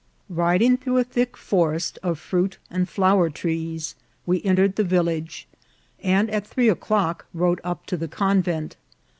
THE LAKE OP ATITAN. 159 Riding through a thick forest of fruit and flower trees, we entered the village, and at three o'clock rode up to the convent.